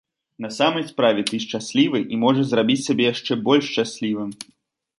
На самай справе ты шчаслівы і можаш зрабіць сябе яшчэ больш шчаслівым.